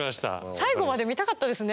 最後まで見たかったですね